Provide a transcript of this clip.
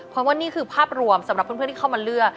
เพราะว่านี่คือภาพรวมสำหรับเพื่อนที่เข้ามาเลือก